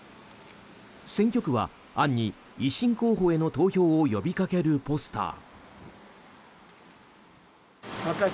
選挙区は暗に維新候補への投票を呼びかけるポスター。